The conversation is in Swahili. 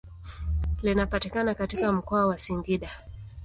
Linapatikana katika mkoa wa Singida.